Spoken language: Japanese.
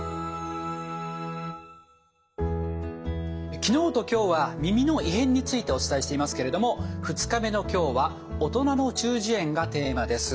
昨日と今日は耳の異変についてお伝えしていますけれども２日目の今日は大人の中耳炎がテーマです。